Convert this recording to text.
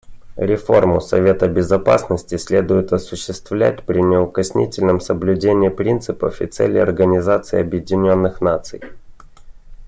Реформу Совета Безопасности следует осуществлять при неукоснительном соблюдении принципов и целей Организации Объединенных Наций.